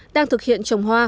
đang thực hiện trồng hoa